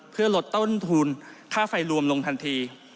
เพื่อลดต้นทุนค่าไฟรวมลงทันที